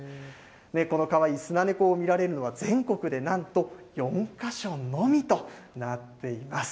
このかわいいスナネコを見られるのは、全国でなんと４か所のみとなっています。